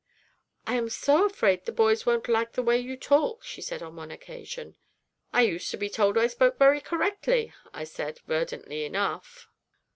'I am so afraid the boys won't like the way you talk,' she said on one occasion. 'I used to be told I spoke very correctly,' I said, verdantly enough.